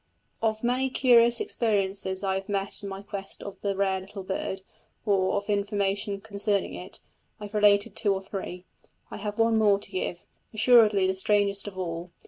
Of many curious experiences I have met in my quest of the rare little bird, or of information concerning it, I have related two or three: I have one more to give assuredly the strangest of all.